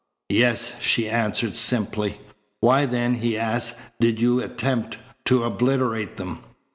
"Yes," she answered simply. "Why then," he asked, "did you attempt to obliterate them?"